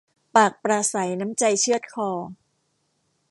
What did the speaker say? ปากปราศรัยน้ำใจเชือดคอ